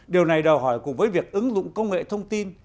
điều này đòi hỏi cùng với việc ứng dụng công nghệ thông tin